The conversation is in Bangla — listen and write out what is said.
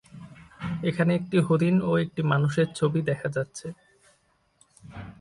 এখানে একটি হরিণ ও একটি মানুষের ছবি দেখা যাচ্ছে।